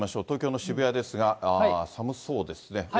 東京の渋谷ですが、寒そうですね。